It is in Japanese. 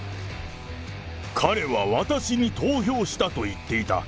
彼は私に投票したと言っていた。